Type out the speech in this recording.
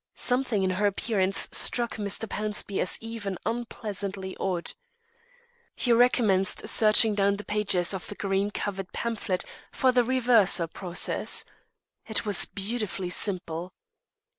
Something in her appearance struck Mr. Pownceby as even unpleasantly odd. He recommenced searching down the page of the green covered pamphlet for the reversal process. It was beautifully simple.